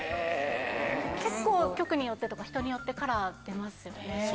結構局によってとか人によってカラー出ますよね。